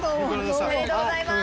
おめでとうございます。